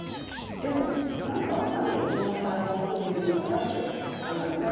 でもなんかなんで今更そんな事言うのかなって思うなあ。